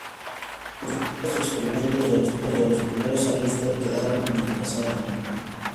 Los largos experimentos de los primeros álbumes de Cluster quedaron en el pasado".